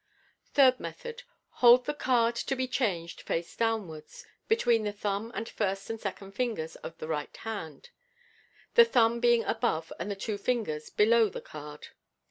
Third Method. — Hold the card to be changed face downwards between the thumb and first and second fingers of the right hand, the thumb being above and the two fingers below the card.